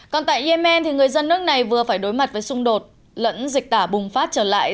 còn tại yemen người dân nước này vừa phải đối mặt với xung đột lẫn dịch tả bùng phát trở lại